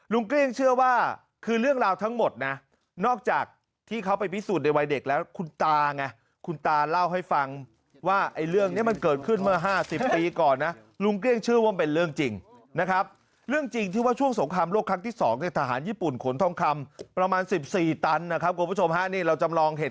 เกลี้ยงเชื่อว่าคือเรื่องราวทั้งหมดนะนอกจากที่เขาไปพิสูจน์ในวัยเด็กแล้วคุณตาไงคุณตาเล่าให้ฟังว่าไอ้เรื่องนี้มันเกิดขึ้นเมื่อ๕๐ปีก่อนนะลุงเกลี้ยงเชื่อว่ามันเป็นเรื่องจริงนะครับเรื่องจริงที่ว่าช่วงสงครามโลกครั้งที่๒เนี่ยทหารญี่ปุ่นขนทองคำประมาณ๑๔ตันนะครับคุณผู้ชมฮะนี่เราจำลองเห็น